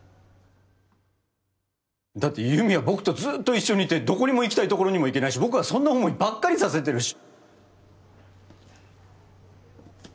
だって優美は僕とずっと一緒にいてどこにも行きたい所にも行けないし僕はそんな思いばっかりさせてるし。